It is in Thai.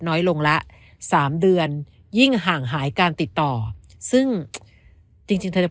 น้อยลงละสามเดือนยิ่งห่างหายการติดต่อซึ่งจริงจริงเธอจะ